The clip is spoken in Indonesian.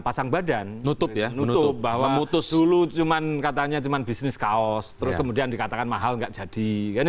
pasang badan nutup bahwa dulu katanya cuma bisnis kaos terus kemudian dikatakan mahal nggak jadi